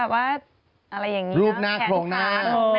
แบบว่ารูปหน้าโครงหน้า